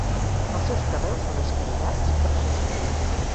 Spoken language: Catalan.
Els seus carreus són escairats però sense polir.